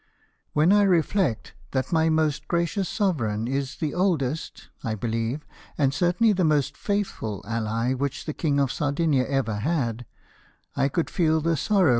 When I reflect that my most gracious Sovereign is the oldest, I believe, and certainly the most faithful, ally which the King of Sardinia ever had, I could feel the sorrow J 130 LIFE OF NELSON.